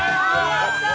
やったー！